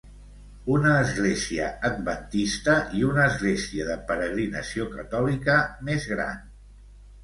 Una Església Adventista i una Església de peregrinació catòlica més gran.